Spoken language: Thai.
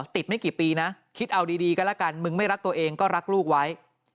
ไม่กี่ปีนะคิดเอาดีกันแล้วกันมึงไม่รักตัวเองก็รักลูกไว้